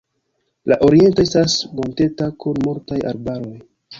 La oriento estas monteta kun multaj arbaroj.